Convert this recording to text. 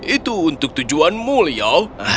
itu untuk tujuanmu liao